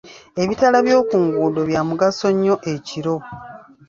Ebitaala by'oku nguudo byamugaso nnyo ekiro.